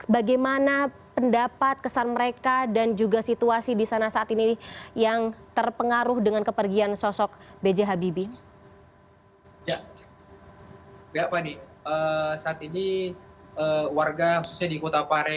bagaimana pendapat kesan mereka dan juga situasi di sana saat ini yang terpengaruh dengan kepergian sosok b j habibie